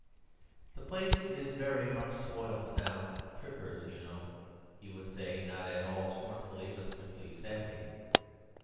"The place is very much spoilt now... trippers, you know," he would say, not at all scornfully, but simply sadly.